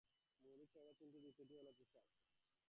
মৌলিক চাহিদা তিনটির দ্বিতীয়টি হলো পোশাক।